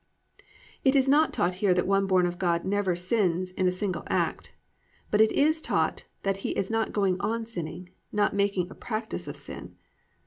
It is not taught here that one born of God never sins in a single act, but it is taught that he is not going on sinning, not making a practice of sin.